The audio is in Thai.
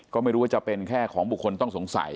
ก็ไม่รู้ว่าจะเป็นแค่ของบุคคลต้องสงสัย